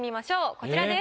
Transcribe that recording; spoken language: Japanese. こちらです。